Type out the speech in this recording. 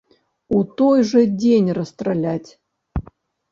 У той жа дзень расстраляць!